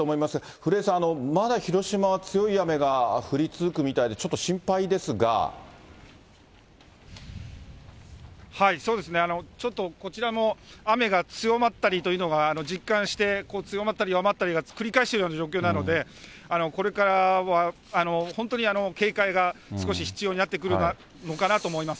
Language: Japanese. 古江さん、まだ広島は強い雨が降り続くみたいで、ちょっと心配でそうですね、ちょっとこちらも雨が強まったりというのが、実感して、強まったり弱まったりを繰り返しているような状況なので、これからは本当に警戒が少し必要になってくるのかなと思います。